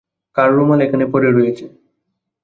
কার রুমাল এখানে পড়ে রয়েছে।